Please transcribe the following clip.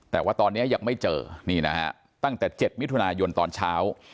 แต่ว่าตอนนี้ยังไม่เจอนี่นะฮะตั้งแต่๗มิถุนายนตอนเช้า